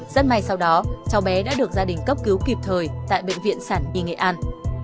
rất may sau đó cháu bé đã được gia đình cấp cứu kịp thời tại bệnh viện sản nhi nghệ an